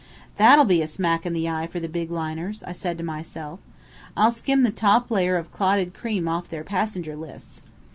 'That'll be a smack in the eye for the big liners,' I said to myself. 'I'll skim the top layer of clotted cream off their passenger lists!'